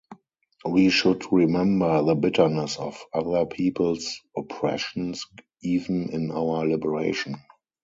We should remember the bitterness of other people’s oppressions even in our liberation.